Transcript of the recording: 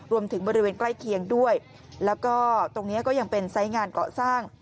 บริเวณใกล้เคียงด้วยแล้วก็ตรงนี้ก็ยังเป็นไซส์งานเกาะสร้าง